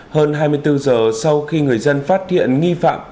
hơn hai mươi bốn giờ sau khi người dân phát hiện nghi phạm